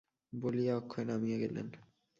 বলিয়া অক্ষয় নামিয়া গেলেন।